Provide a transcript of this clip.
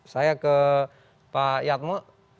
saya ke pak yatmo